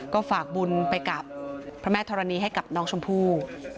ก็ฝากบุญไปกับพระแม่ธรณีให้กับน้องชมพู่